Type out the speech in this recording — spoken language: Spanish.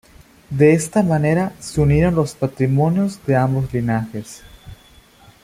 De esta manera se unieron los patrimonios de ambos linajes.